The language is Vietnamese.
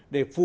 để thay đổi